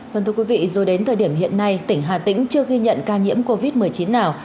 vâng thưa quý vị dù đến thời điểm hiện nay tỉnh hà tĩnh chưa ghi nhận ca nhiễm covid một mươi chín nào